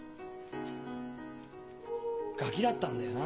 ガキだったんだよな。